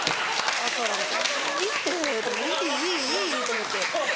「いいっていいいいいい」と思って。